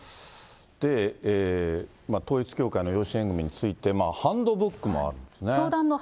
統一教会の養子縁組について、ハンドブックもあるんですね。